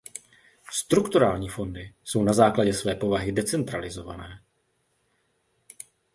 Strukturální fondy jsou na základě své povahy decentralizované.